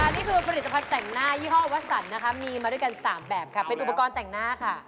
นี่คือผลิตภัณฑ์แต่งหน้ายี่ห้อวสันนะคะมีมาด้วยกัน๓แบบค่ะเป็นอุปกรณ์แต่งหน้าค่ะ